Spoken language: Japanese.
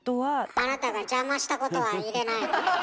あなたが邪魔したことは入れないの？